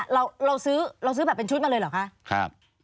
เราซื้อแบบเป็นชุดมาเลยเหรอคะ